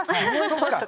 そっか。